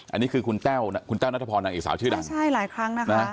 อันนี้คือคุณแต้วคุณแต้วนัทพรนางเอกสาวชื่อดังใช่หลายครั้งนะคะ